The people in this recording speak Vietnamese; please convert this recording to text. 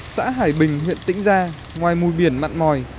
xã hải bình huyện tĩnh gia ngoài mùi biển mặn mòi